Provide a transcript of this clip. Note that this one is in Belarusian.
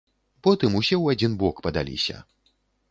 Потым усе ў адзін бок падаліся.